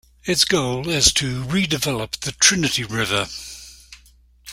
Its goal is to redevelop the Trinity River.